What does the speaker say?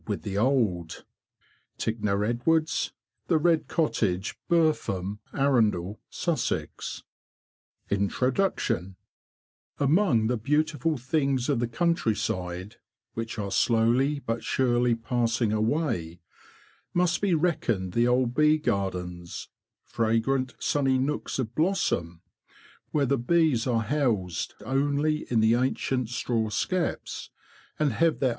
Se 3 in » 192 OLD COTTAGE RUIN, WITH RECESSES FOR HIVES ,. Pa » 214 INTRODUCTION Yeh the beautiful things of the country side, which are slowly but surely passing away, must be reckoned the old Bee Gardens— fragrant, sunny nooks of blossom, where the bees are housed only in the ancient straw skeps, and have their.